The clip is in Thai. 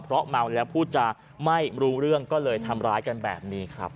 เพราะเมาแล้วพูดจะไม่รู้เรื่องก็เลยทำร้ายกันแบบนี้ครับ